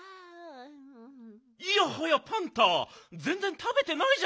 いやはやパンタぜんぜんたべてないじゃないか。